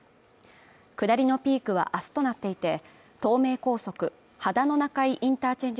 下りのピークは明日となっていて東名高速秦野中井インターチェンジ